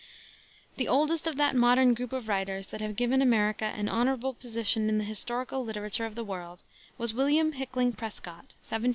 The oldest of that modern group of writers that have given America an honorable position in the historical literature of the world was William Hickling Prescott (1796 1859.)